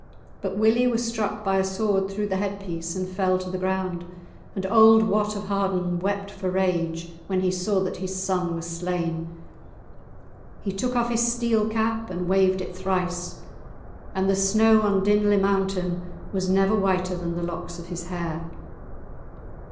But Willie was struck by a sword through the headpiece and fell to the ground, and auld Wat of Harden wept for rage when he saw that his son was slain. He took off his steel cap and waved it thrice, and the snow on the Dinlay mountain was never whiter than the locks of his hair.